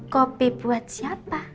kopi buat siapa